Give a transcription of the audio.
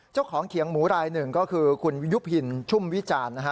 เจ้าของเขียงหมูรายหนึ่งก็คือคุณยุพินชุ่มวิจารณ์นะฮะ